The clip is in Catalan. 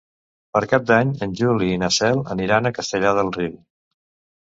Per Cap d'Any en Juli i na Cel aniran a Castellar del Riu.